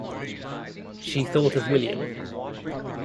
She thought of William.